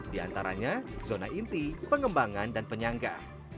di antaranya zona inti pengembangan dan penyangga